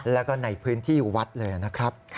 แล้วก็ในพื้นที่วัดเลยนะครับ